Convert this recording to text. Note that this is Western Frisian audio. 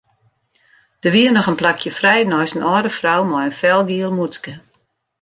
Der wie noch in plakje frij neist in âlde frou mei in felgiel mûtske.